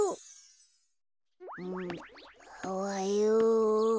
おはよう。